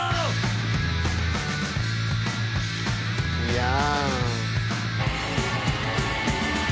いや。